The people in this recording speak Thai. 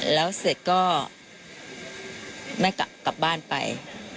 แล้วเสร็จก็ได้กลับบ้านไป